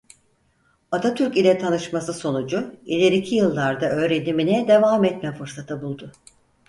Atatürk ile tanışması sonucu ileriki yıllarda öğrenimine devam etme fırsatı buldu.